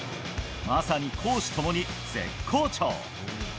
まさに公私ともに絶好調。